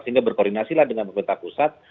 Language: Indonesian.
sehingga berkoordinasi lah dengan pemerintah pusat